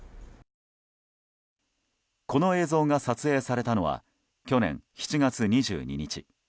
この映像が撮影されたのは去年７月２２日。